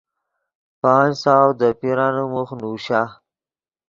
پانچ سو دے پیرانے موخ نوشا۔